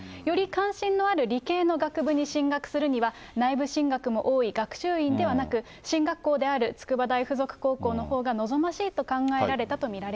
より関心のある理系の学部に進学するには、内部進学も多い学習院ではなく、進学校である筑波大附属高校のほうが望ましいと考えられたと見